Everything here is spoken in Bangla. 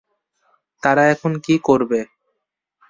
তারা এখন কী করবে!